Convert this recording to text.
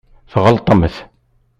Tɣelṭemt.